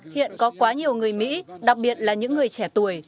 hiện có quá nhiều người mỹ đặc biệt là những người trẻ tuổi